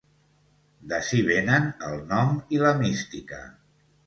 I d’ací vénen el nom i la mística.